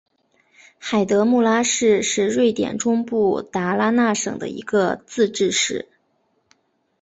海德穆拉市是瑞典中部达拉纳省的一个自治市。